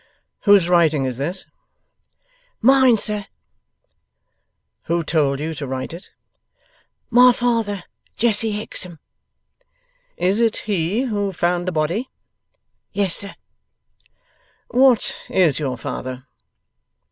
'Whose writing is this?' 'Mine, sir.' 'Who told you to write it?' 'My father, Jesse Hexam.' 'Is it he who found the body?' 'Yes, sir.' 'What is your father?